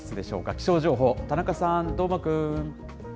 気象情報、田中さん、どーもくん。